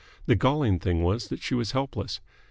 The galling thing was that she was helpless.